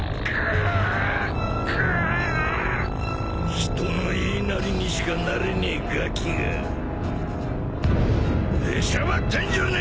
人の言いなりにしかなれねえガキが出しゃばってんじゃねえ！！